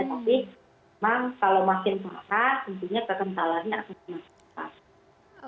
tapi memang kalau makin parah tentunya perkencangannya akan semakin parah